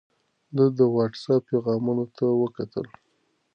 ده د وټس اپ پیغامونو ته وکتل.